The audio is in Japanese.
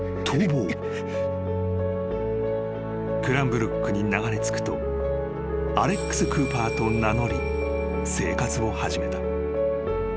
［クランブルックに流れ着くとアレックス・クーパーと名乗り生活を始めた］